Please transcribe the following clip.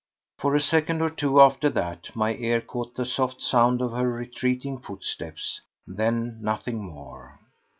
For a second or two after that my ear caught the soft sound of her retreating footsteps, then nothing more.